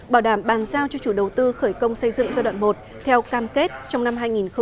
bảo đảm bàn giao cho chủ đầu tư khởi công xây dựng giai đoạn một theo cam kết trong năm hai nghìn hai mươi